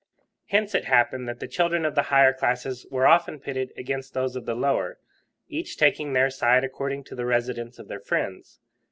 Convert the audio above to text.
Hence it happened that the children of the higher classes were often pitted against those of the lower, each taking their side according to the residence of their friends.